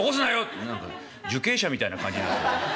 何か受刑者みたいな感じになって。